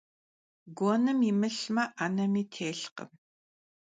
Guenım yimılhme, 'enemi têlhkhım.